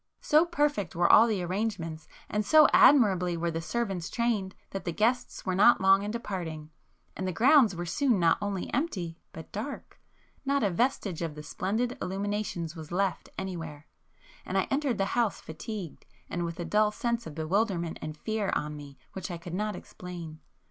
So perfect were all the arrangements, and so admirably were the servants trained, that the guests were not long in departing,—and the grounds were soon not only empty, but dark. Not a vestige of the splendid illuminations was left anywhere,—and I entered the house fatigued, and with a dull sense of bewilderment and fear on me which I could not explain.